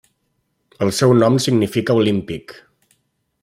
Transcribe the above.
El seu nom significa Olímpic.